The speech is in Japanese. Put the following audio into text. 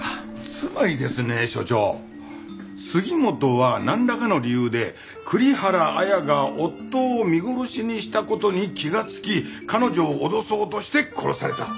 つまりですね署長杉本はなんらかの理由で栗原綾が夫を見殺しにした事に気がつき彼女を脅そうとして殺された。